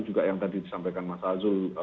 juga yang tadi disampaikan mas azul